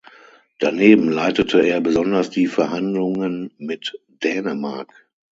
Daneben leitete er besonders die Verhandlungen mit Dänemark.